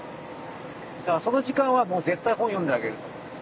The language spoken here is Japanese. だからその時間はもう絶対本読んであげる。